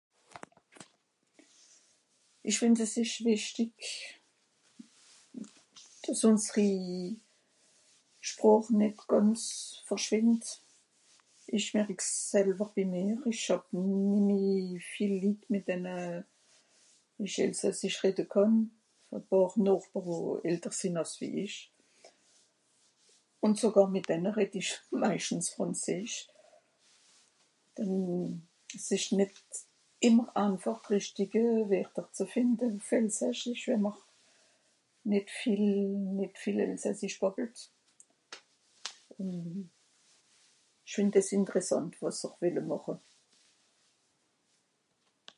Ich fìnd es ìsch wichtig, dàss unseri Sproch nìtt gànz verschwìndt. Ich märick's sälwer bi mìr, ìch hàb nimmi viel Litt, mìt denne ich Elsassisch redde kànn, e Pààr Nochber wo älter sìn àss wie ìch, ùn sogàr mìt denne redd ich meischtens Frànzeesch, denn es ìsch nìtt ìmmer aanfàch d rìchitge Werter ze fìnde ùff Elsassisch wenn mr nìtt viel, nìtt viel Elsassisch bàbbelt. Ùn ìch fìnd dìss Interessànt, wàs'r welle màche